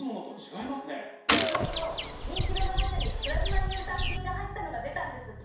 そうそう人気の生茶にプラズマ乳酸菌が入ったのが出たんですって。